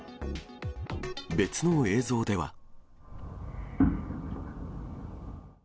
別の映像では。